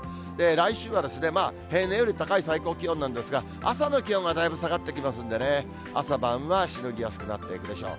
来週は平年より高い最高気温なんですが、朝の気温がだいぶ下がってきますんでね、朝晩はしのぎやすくなっていくでしょう。